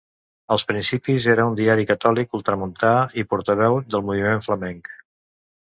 Als principis era un diari catòlic ultramuntà i portaveu del moviment flamenc.